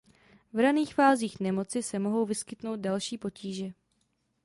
V raných fázích nemoci se mohou vyskytnout další potíže.